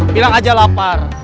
bilang aja lapar